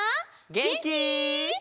げんき？